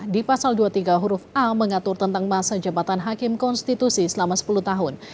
di pasal dua puluh tiga huruf a mengatur tentang masa jabatan hakim konstitusi selama sepuluh tahun